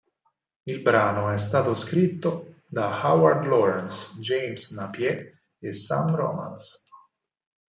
Il brano è stato scritto da Howard Lawrence, James Napier e Sam Romans.